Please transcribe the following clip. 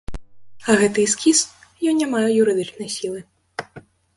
А гэты эскіз, ён не мае юрыдычнай сілы.